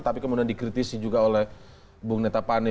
tapi kemudian dikritisi juga oleh bung neta pane